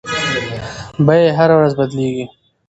بیې هره ورځ بدلیږي.